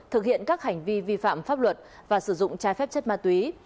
thực hiện các hành vi vi phạm pháp luật và sử dụng trái phép chất ma túy